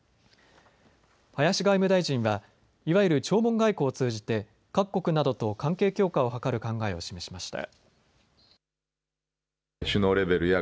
林外務大臣はいわゆる弔問外交を通じて各国などと関係強化を図る考えを示しました。